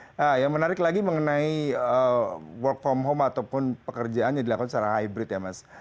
nah yang menarik lagi mengenai work from home ataupun pekerjaan yang dilakukan secara hybrid ya mas